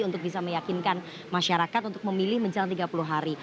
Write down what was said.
untuk bisa meyakinkan masyarakat untuk memilih menjelang tiga puluh hari